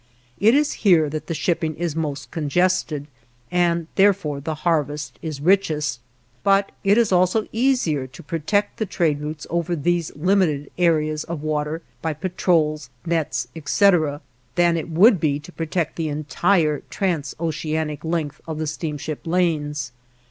It is here that the shipping is most congested, and therefore the harvest is richest, but it is also easier to protect the trade routes over these limited areas of water by patrols, nets, etc., than it would be to protect the entire trans oceanic length of the steamship lanes.